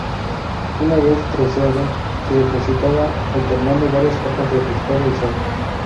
Una vez troceado, se depositaba, alternando varias capas de pescado y sal.